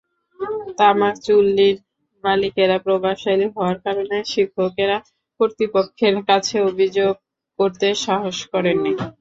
তামাকচুল্লির মালিকেরা প্রভাবশালী হওয়ার কারণে শিক্ষকেরা কর্তৃপক্ষের কাছে অভিযোগ করতে সাহস করেননি।